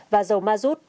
và dầu mazut